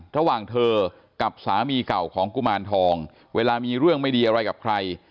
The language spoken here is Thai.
ระหว่างเธอกับสามีเก่าของกุมารทองเวลามีเรื่องไม่ดีอะไรกับใคร